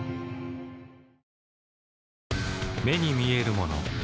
目に見えるもの